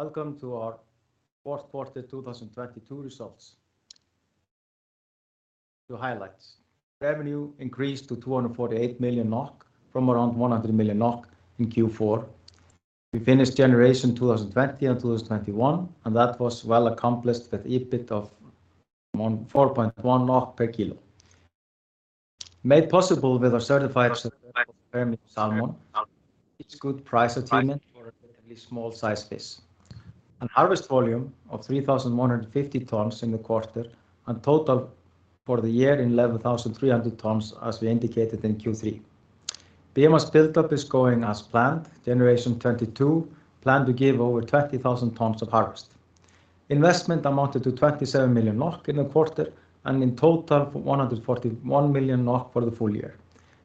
Welcome to our fourth quarter 2022 results. To highlights. Revenue increased to 248 million NOK from around 100 million NOK in Q4. We finished generation 2020 and 2021, that was well accomplished with EBIT of 4.1 NOK per kilo. Made possible with our certified premium salmon, each good price attainment for a relatively small size fish. An harvest volume of 3,150 tons in the quarter, and total for the year in 11,300 tons, as we indicated in Q3. Biomass buildup is going as planned. Generation 2022 planned to give over 20,000 tons of harvest. Investment amounted to 27 million NOK in the quarter, and in total 141 million NOK for the full year.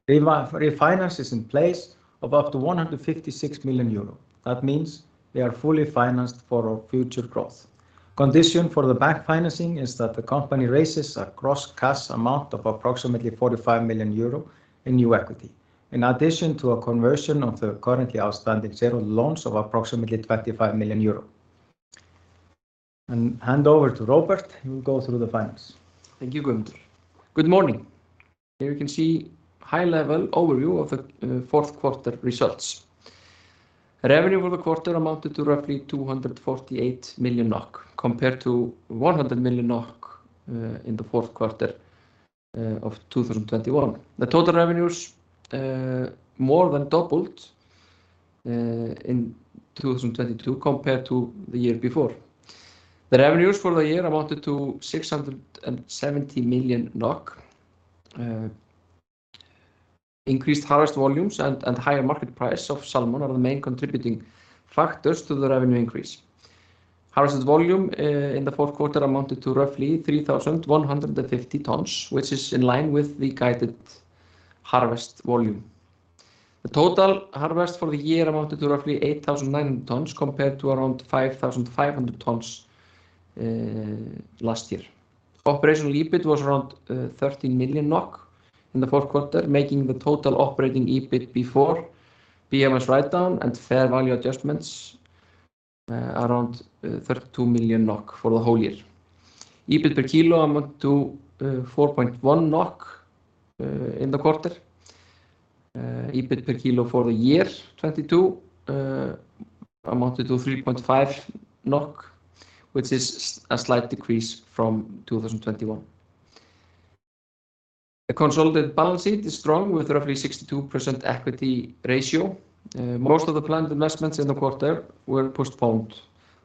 Refinance is in place of up to 156 million euro. That means we are fully financed for our future growth. Condition for the bank financing is that the company raises a gross cash amount of approximately 45 million euro in new equity. In addition to a conversion of the currently outstanding shareholder loans of approximately 25 million euro. Hand over to Robert, who will go through the finance. Thank you, Guðmundur. Good morning. Here you can see high-level overview of the fourth quarter results. Revenue for the quarter amounted to roughly 248 million NOK, compared to 100 million NOK in the fourth quarter of 2021. The total revenues more than doubled in 2022 compared to the year before. The revenues for the year amounted to 670 million NOK. Increased harvest volumes and higher market price of salmon are the main contributing factors to the revenue increase. Harvest volume in the fourth quarter amounted to roughly 3,150 tons, which is in line with the guided harvest volume. The total harvest for the year amounted to roughly 8,900 tons compared to around 5,500 tons last year. Operational EBIT was around 13 million NOK in the fourth quarter, making the total operating EBIT before biomass write down and fair value adjustments, around 32 million NOK for the whole year. EBIT per kilo amount to 4.1 NOK in the quarter. EBIT per kilo for the year 2022 amounted to 3.5 NOK, which is a slight decrease from 2021. The consolidated balance sheet is strong with roughly 62% equity ratio. Most of the planned investments in the quarter were postponed,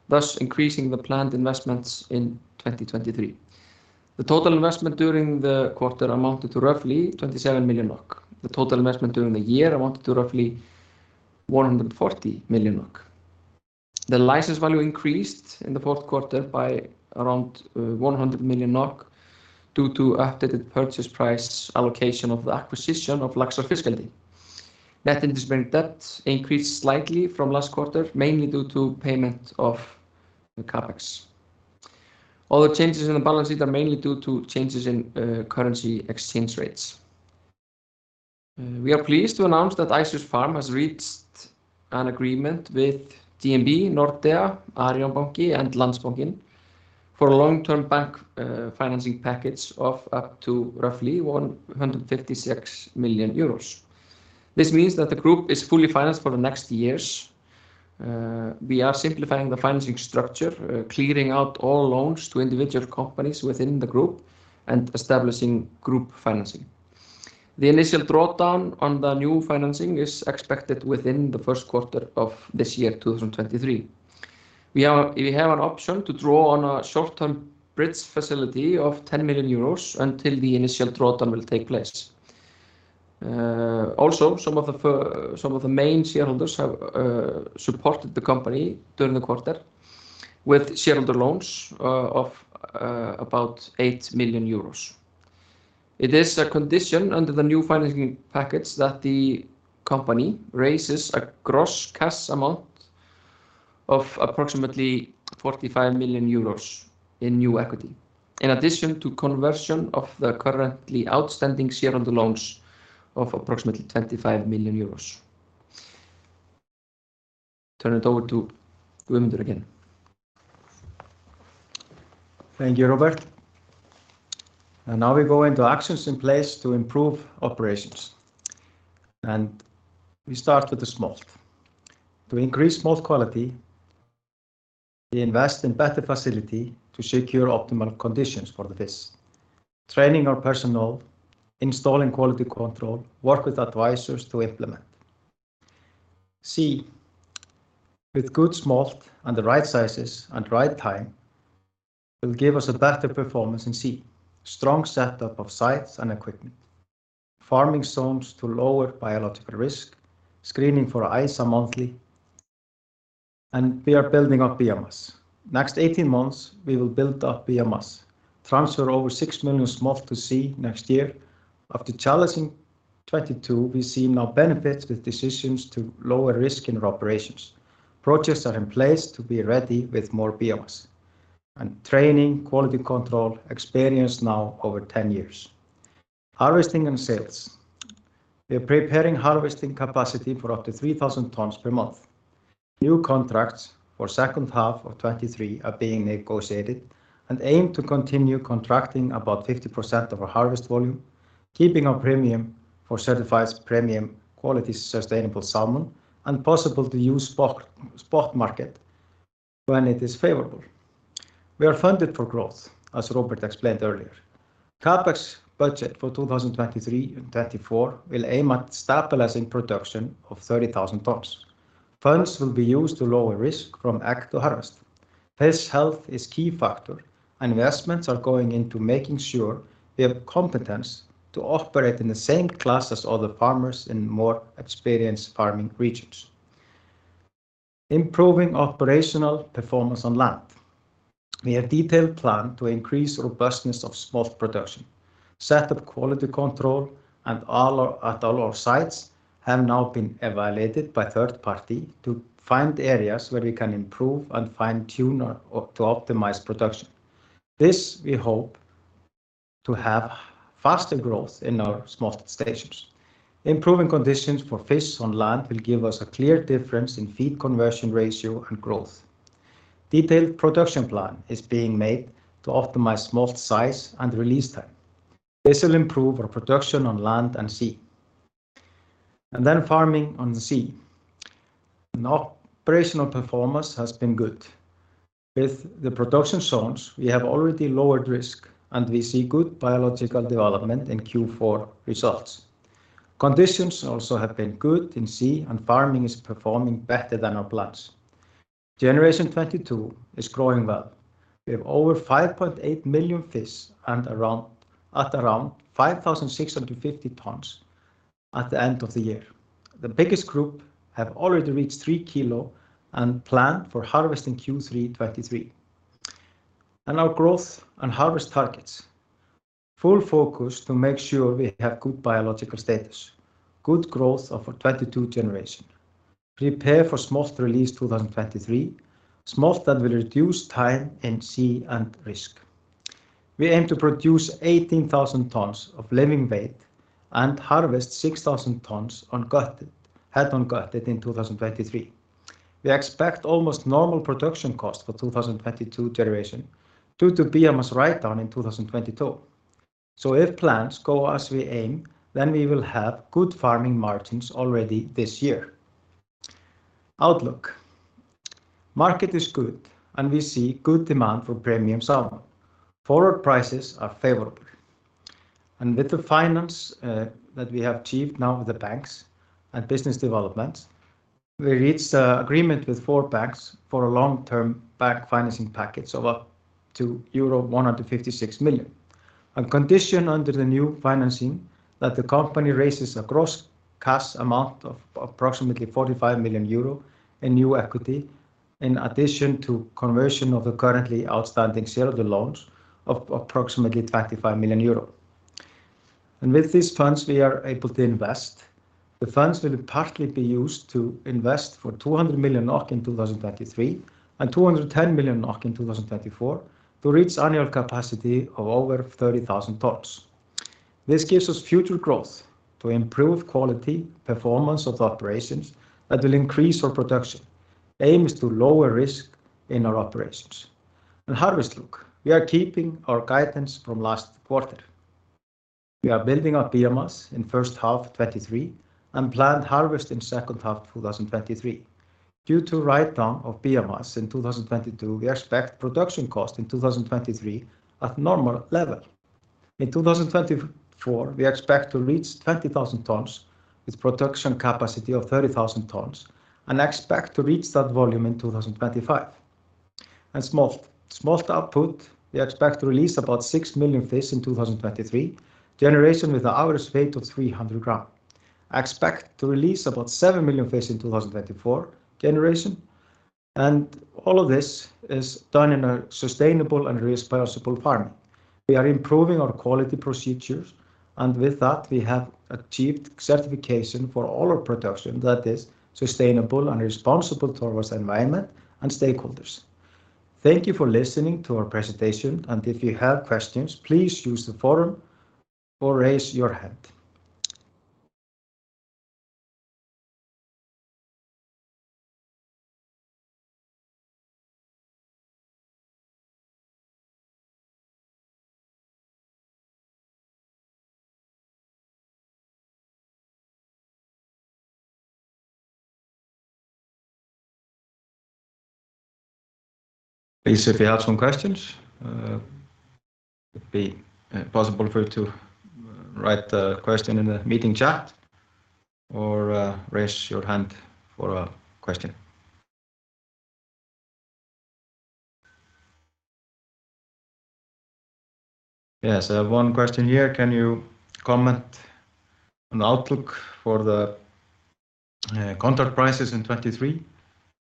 thus increasing the planned investments in 2023. The total investment during the quarter amounted to roughly 27 million NOK. The total investment during the year amounted to roughly 140 million NOK. The license value increased in the fourth quarter by around 100 million NOK due to updated purchase price allocation of the acquisition of Laxar Fiskeldi. Net interest-bearing debt increased slightly from last quarter, mainly due to payment of the CapEx. Other changes in the balance sheet are mainly due to changes in currency exchange rates. We are pleased to announce that Ice Fish Farm has reached an agreement with DNB, Nordea, Arion banki, and Landsbankinn for a long-term bank financing package of up to roughly 156 million euros. This means that the group is fully financed for the next years. We are simplifying the financing structure, clearing out all loans to individual companies within the group and establishing group financing. The initial drawdown on the new financing is expected within the first quarter of this year, 2023. We have an option to draw on a short-term bridge facility of 10 million euros until the initial drawdown will take place. Also some of the main shareholders have supported the company during the quarter with shareholder loans, of about 8 million euros. It is a condition under the new financing package that the company raises a gross cash amount of approximately 45 million euros in new equity. In addition to conversion of the currently outstanding shareholder loans of approximately EUR 25 million. Turn it over to Guðmundur again. Thank you, Robert. Now we go into actions in place to improve operations. We start with the smolt. To increase smolt quality, we invest in better facility to secure optimal conditions for the fish. Training our personnel, installing quality control, work with advisors to implement. Sea. With good smolt and the right sizes and right time will give us a better performance in sea. Strong setup of sites and equipment. Farming zones to lower biological risk. Screening for ISA monthly. We are building up biomass. Next 18 months, we will build up biomass. Transfer over 6 million smolt to sea next year. After challenging 2022, we see now benefits with decisions to lower risk in our operations. Projects are in place to be ready with more biomass. Training, quality control, experience now over 10 years. Harvesting and sales. We are preparing harvesting capacity for up to 3,000 tons per month. New contracts for second half of 2023 are being negotiated. We aim to continue contracting about 50% of our harvest volume, keeping our premium for certified premium quality sustainable salmon and possible to use spot market when it is favorable. We are funded for growth, as Robert explained earlier. CapEx budget for 2023 and 2024 will aim at stabilizing production of 30,000 tons. Funds will be used to lower risk from egg to harvest. Fish health is key factor. Investments are going into making sure we have competence to operate in the same class as other farmers in more experienced farming regions. Improving operational performance on land. We have detailed plan to increase robustness of smolt production, set up quality control at all our sites have now been evaluated by third party to find areas where we can improve and fine-tune or to optimize production. This, we hope to have faster growth in our smolt stations. Improving conditions for fish on land will give us a clear difference in feed conversion ratio and growth. Detailed production plan is being made to optimize smolt size and release time. This will improve our production on land and sea. Farming on the sea. Operational performance has been good. With the production zones, we have already lowered risk, and we see good biological development in Q4 results. Conditions also have been good in sea, and farming is performing better than our plans. Generation 2022 is growing well. We have over 5.8 million fish at around 5,650 tons at the end of the year. The biggest group have already reached 3 k and plan for harvest in Q3 2023. Our growth and harvest targets. Full focus to make sure we have good biological status, good growth of our 2022 generation. Prepare for smolt release 2023, smolt that will reduce time in sea and risk. We aim to produce 18,000 tons of living weight and harvest 6,000 tons head-on gutted in 2023. We expect almost normal production cost for 2022 generation due to biomass write-down in 2022. If plans go as we aim, then we will have good farming margins already this year. Outlook. Market is good, we see good demand for premium salmon. Forward prices are favorable. With the finance that we have achieved now with the banks and business developments, we reached an agreement with four banks for a long-term bank financing package of up to euro 156 million. A condition under the new financing that the company raises a gross cash amount of approximately 45 million euro in new equity in addition to conversion of the currently outstanding share of the loans of approximately 35 million euro. With these funds, we are able to invest. The funds will partly be used to invest for 200 million NOK in 2023 and 210 million NOK in 2024 to reach annual capacity of over 30,000 tons. This gives us future growth to improve quality, performance of the operations that will increase our production. Aim is to lower risk in our operations. Harvest look. We are keeping our guidance from last quarter. We are building our biomass in first half 2023 and planned harvest in second half 2023. Due to write-down of biomass in 2022, we expect production cost in 2023 at normal level. In 2024, we expect to reach 20,000 tons with production capacity of 30,000 tons and expect to reach that volume in 2025. Smolt. Smolt output, we expect to release about 6 million fish in 2023, generation with an average weight of 300 g. Expect to release about 7 million fish in 2024 generation. All of this is done in a sustainable and responsible farming. We are improving our quality procedures. With that, we have achieved certification for all our production that is sustainable and responsible towards the environment and stakeholders. Thank you for listening to our presentation. If you have questions, please use the forum or raise your hand. Please, if you have some questions, it would be possible for you to write the question in the meeting chat or raise your hand for a question. Yes, I have one question here. Can you comment on outlook for the contract prices in 2023,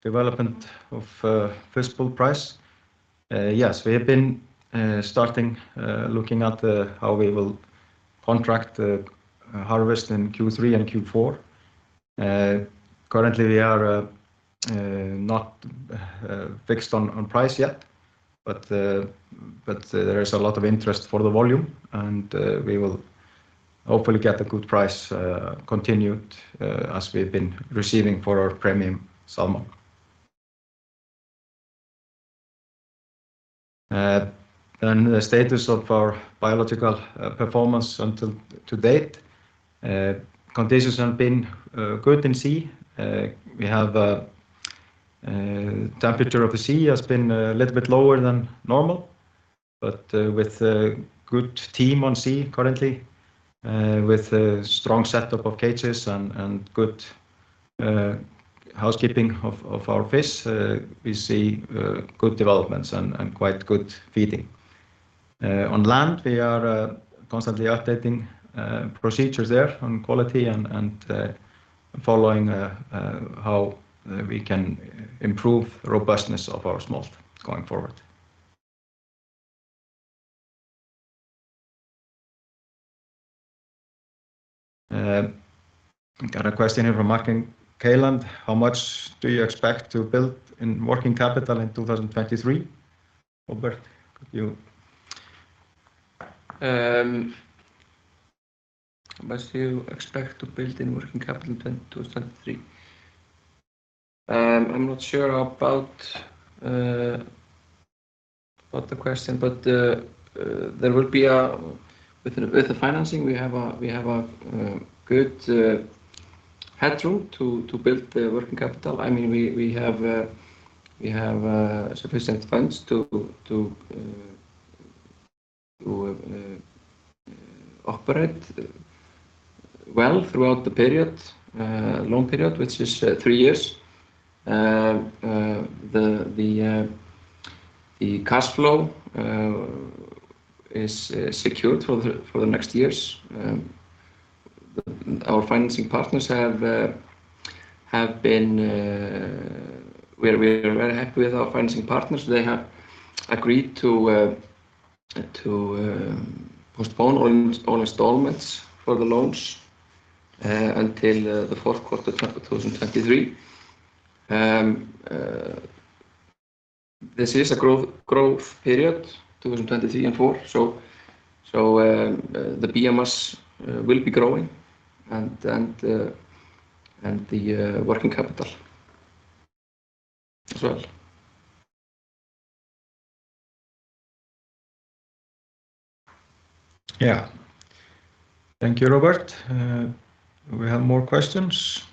development of Fish Pool price? Yes. We have been starting looking at how we will contract the harvest in Q3 and Q4. Currently we are not fixed on price yet, but there is a lot of interest for the volume, and we will hopefully get a good price continued as we've been receiving for our premium salmon. The status of our biological performance until to date. Conditions have been good in sea. We have temperature of the sea has been a little bit lower than normal, but with a good team on sea currently, with a strong setup of cages and good housekeeping of our fish, we see good developments and quite good feeding. On land we are constantly updating procedures there on quality and following how we can improve robustness of our smolt going forward. I got a question here from Martin Kaland. How much do you expect to build in working capital in 2023? Robert, could you... How much do you expect to build in working capital in 2023? I'm not sure about about the question, but there will be with the financing, we have a good headroom to build the working capital. I mean, we have sufficient funds to operate well throughout the period, long period, which is three years. The cash flow is secured for the next years. Our financing partners have been... We're very happy with our financing partners. They have agreed to postpone all installments for the loans until the fourth quarter of 2023. This is a growth period, 2023 and 2024. The biomass will be growing and the working capital as well. Yeah. Thank you, Robert. We have more questions.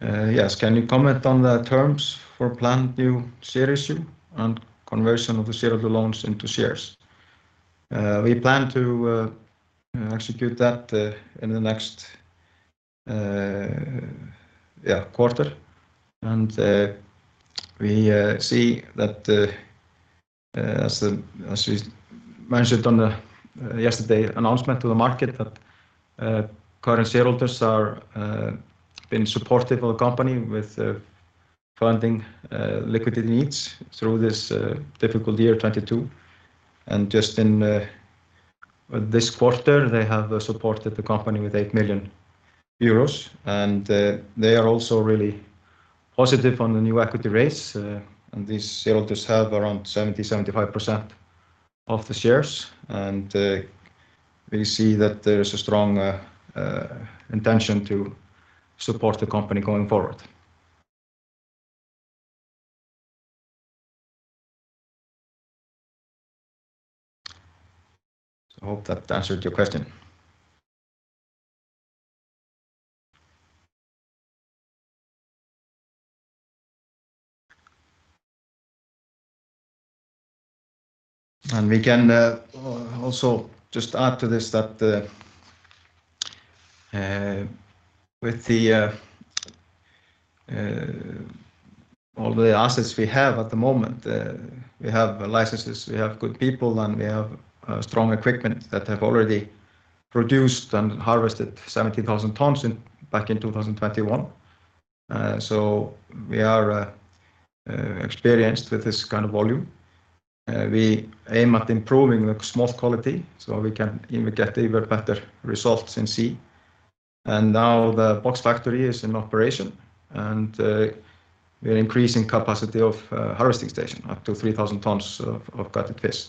Yes. Can you comment on the terms for planned new share issue and conversion of the share of the loans into shares? We plan to execute that in the next quarter. We see that as the, as we mentioned on the yesterday announcement to the market that current shareholders are been supportive of the company with funding liquidity needs through this difficult year 2022. Just in this quarter they have supported the company with 8 million euros, and they are also really positive on the new equity raise. These shareholders have around 70%, 75% of the shares. We see that there is a strong intention to support the company going forward. I hope that answered your question. We can also just add to this that with all the assets we have at the moment, we have licenses, we have good people, and we have strong equipment that have already produced and harvested 70,000 tons back in 2021. We are experienced with this kind of volume. We aim at improving the smolt quality so we can even get even better results in sea. Now the box factory is in operation, and we are increasing capacity of harvesting station up to 3,000 tons of gutted fish.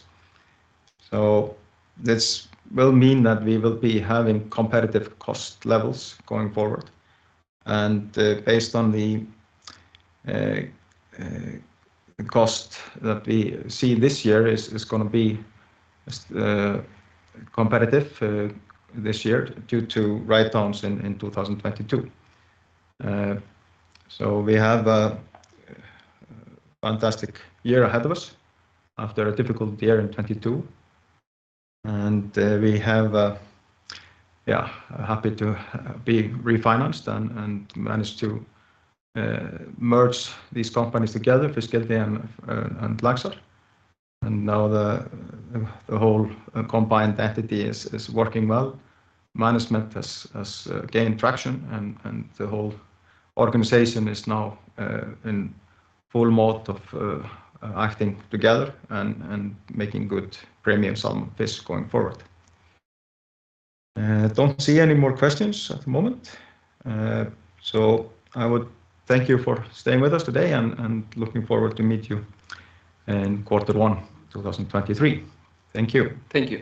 This will mean that we will be having competitive cost levels going forward. Based on the cost that we see this year is gonna be competitive this year due to write downs in 2022. We have a fantastic year ahead of us after a difficult year in 2022. We have, yeah, happy to be refinanced and managed to merge these companies together, Fiskeldi and Laxar. Now the whole combined entity is working well. Management has gained traction and the whole organization is now in full mode of acting together and making good premium salmon fish going forward. Don't see any more questions at the moment. I would thank you for staying with us today and looking forward to meet you in quarter one 2023. Thank you. Thank you.